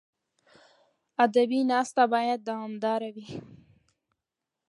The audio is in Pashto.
ادبي ناسته باید دوامداره وي.